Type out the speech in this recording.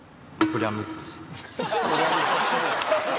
そりゃ難しいよね。